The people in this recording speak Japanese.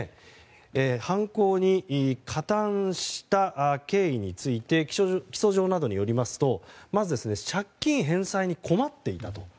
犯行に加担した経緯について起訴状などによりますとまず、借金返済に困っていたと。